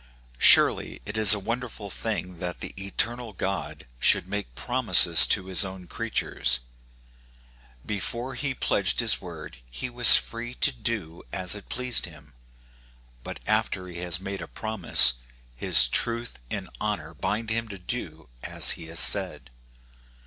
URELY it is a wonderful thing that the eternal God should make promises to his own creatures. Before he pledged his word he was free to do as it pleased him ; but after he has made a promise, his truth and honor bind him to do as he has said.